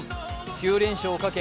９連勝をかけ